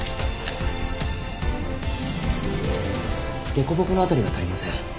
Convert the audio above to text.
凸凹の辺りが足りません。